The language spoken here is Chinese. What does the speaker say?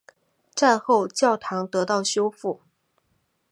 战后教堂得到修复。